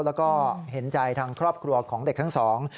แล้วก็เห็นใจทางครอบครัวของเด็กทั้งสอง